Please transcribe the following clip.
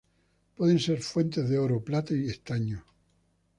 Pueden ser fuentes de oro, plata y estaño.